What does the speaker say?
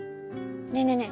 ねえねえね